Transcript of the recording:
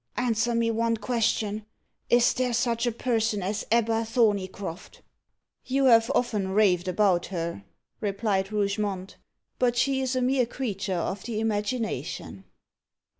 "Answer me one question Is there such a person as Ebba Thorneycroft?" "You have often raved about her," replied Rougemont. "But she is a mere creature of the imagination."